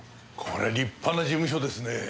こりゃ立派な事務所ですね。